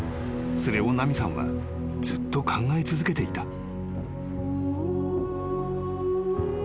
［それを奈美さんはずっと考え続けていた］